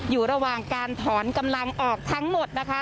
อยู่ระหว่างการถอนกำลังออกทั้งหมดนะคะ